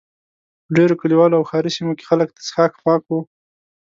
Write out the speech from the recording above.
په ډېرو کلیوالو او ښاري سیمو کې خلک د څښاک پاکو.